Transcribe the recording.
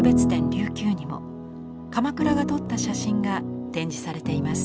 琉球にも鎌倉が撮った写真が展示されています。